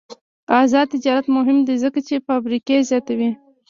آزاد تجارت مهم دی ځکه چې فابریکې زیاتوي.